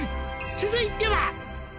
「続いては」